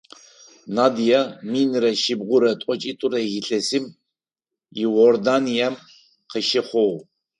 Надия минрэ шъибгъурэ тӏокӏитӏурэ илъэсым Иорданием къыщыхъугъ.